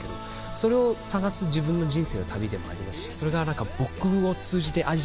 それを探す自分の人生の旅でもありますしそれが何か。